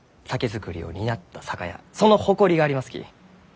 その誇りがありますき。